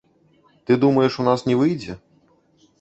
Ты думаеш, у нас не выйдзе?